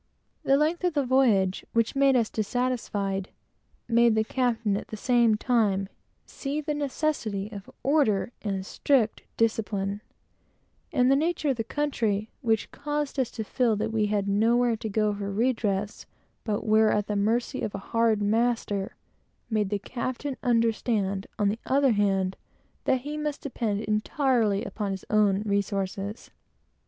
The length of the voyage, which made us dissatisfied, made the captain, at the same time, feel the necessity of order and strict discipline; and the nature of the country, which caused us to feel that we had nowhere to go for redress, but were entirely at the mercy of a hard master, made the captain feel, on the other hand, that he must depend entirely upon his own resources.